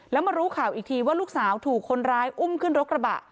แล้วมารู้ข่าวอีกทีว่าลูกสาวถูกคนร้ายอุ้มขึ้นรถกระบะ